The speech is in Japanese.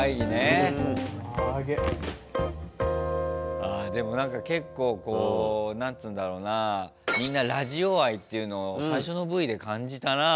あでもなんか結構こう何つうんだろうなみんなラジオ愛っていうのを最初のＶで感じたなあ。